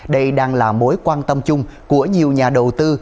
đây đang là mối quan tâm chung của nhiều nhà đầu tư